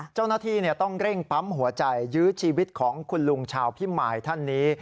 เจ้าหน้าที่ต้องเร่งปั๊มหัวใจยื้อชีวิตของคุณลุงชาวพิมายท่านนี้